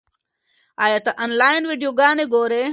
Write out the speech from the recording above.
ایا ته آنلاین ویډیوګانې ګورې؟